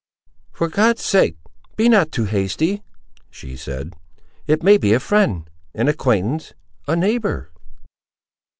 "For God's sake, be not too hasty," she said; "it may be a friend—an acquaintance—a neighbour!"